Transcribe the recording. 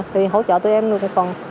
thì hỗ trợ tụi em luôn được phần